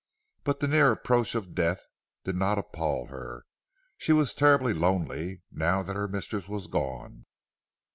But the near approach of death did not appal her; she was terribly lonely, now that her mistress was gone.